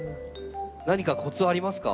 何かコツはありますか？